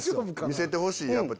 見せてほしい。